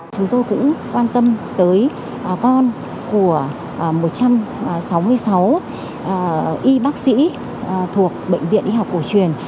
chúng tôi cũng quan tâm tới con của một trăm sáu mươi sáu y bác sĩ thuộc bệnh viện y học cổ truyền